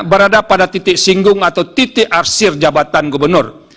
berada pada titik singgung atau titik arsir jabatan gubernur